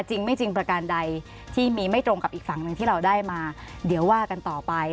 จริงไม่จริงประการใดที่มีไม่ตรงกับอีกฝั่งหนึ่งที่เราได้มาเดี๋ยวว่ากันต่อไป